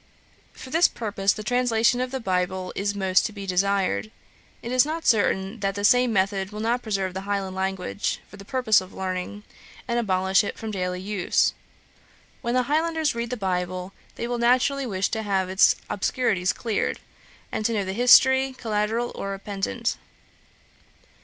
For this purpose, the translation of the bible is most to be desired. It is not certain that the same method will not preserve the Highland language, for the purposes of learning, and abolish it from daily use. When the Highlanders read the Bible, they will naturally wish to have its obscurities cleared, and to know the history, collateral or appendant.